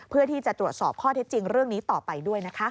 เพื่อที่จะตรวจสอบข้อเท็จจริงเรื่องนี้ต่อไปด้วยนะคะ